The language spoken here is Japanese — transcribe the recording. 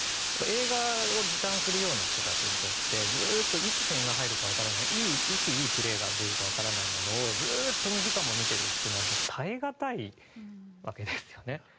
映画を時短するような人たちにとってずっといつ点が入るかわからないいつ、いいプレーが出るかわからないものをずっと２時間も見ているというのは耐え難いわけですよね。